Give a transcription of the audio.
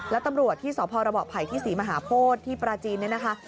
แล้วตำรวจที่สภระภัยที่๔มหาโพธิ์ที่ปราจีนนี่นะคะ